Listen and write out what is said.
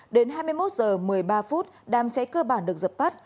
đến hai mươi một h một mươi ba phút đám cháy cơ bản được dập tắt